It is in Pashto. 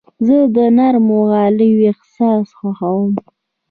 زه د نرمو غالیو احساس خوښوم.